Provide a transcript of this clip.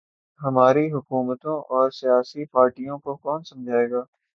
ہماری حکومتوں اور سیاسی پارٹیوں کو کون سمجھائے گا۔